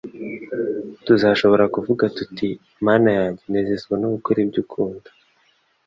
tuzashobora kuvuga tuti: "Mana yanjye nezezwa no gukora ibyo ukunda'°."